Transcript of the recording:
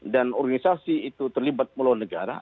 dan organisasi itu terlibat melawan negara